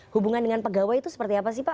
hubungan dengan pegawai itu seperti apa sih pak